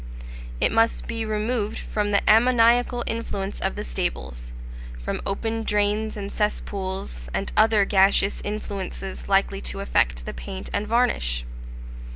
It must be removed from the ammoniacal influence of the stables, from open drains and cesspools, and other gaseous influences likely to affect the paint and varnish.